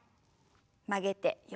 曲げて横。